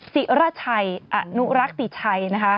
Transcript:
สิระชัยอนุรักษ์ติดชัย